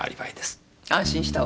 安心したわ。